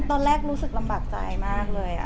ตอนแรกรู้สึกลำบากใจมากเลย